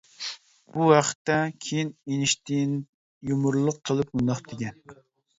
بۇ ھەقتە كېيىن ئېينىشتىيىن يۇمۇرلۇق قىلىپ مۇنداق دېگەن.